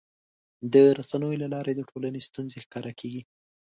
د رسنیو له لارې د ټولنې ستونزې ښکاره کېږي.